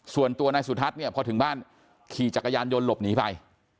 ส่วนตัวนายสุทัศน์เนี่ยพอถึงบ้านขี่จักรยานยนต์หลบหนีไป